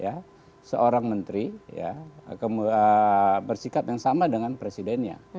ya seorang menteri ya bersikap yang sama dengan presidennya